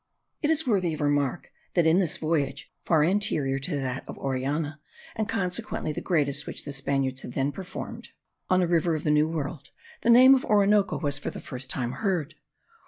It is worthy of remark that in this voyage, far anterior to that of Orellana, and consequently the greatest which the Spaniards had then performed on a river of the New World, the name of the Orinoco was for the first time heard.